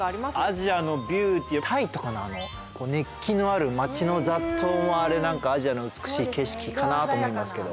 アジアのビューティータイとかのあの熱気のある街の雑踏はあれ何かアジアの美しい景色かなと思いますけど。